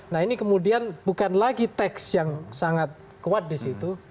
nah ini kemudian bukan lagi teks yang sangat kuat di situ